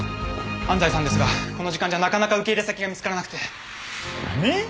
安西さんですがこの時間じゃなかなか受け入れ先が見つからなくて。